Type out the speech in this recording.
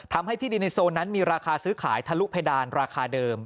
ที่ดินในโซนนั้นมีราคาซื้อขายทะลุเพดานราคาเดิม